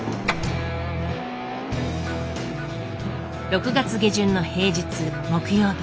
６月下旬の平日木曜日。